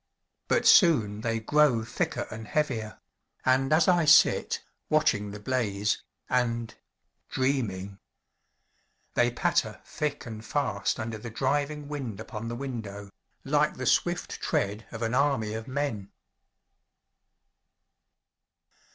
But soon they grow thicker and heavier; and as I sit, watching the blaze, and dreaming they patter thick and fast under the driving wind upon the window, like the swift tread of an army of Men!